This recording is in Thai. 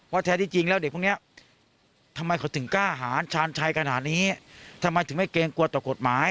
แท้ที่จริงแล้วเด็กพวกนี้ทำไมเขาถึงกล้าหารชาญชัยขนาดนี้ทำไมถึงไม่เกรงกลัวต่อกฎหมาย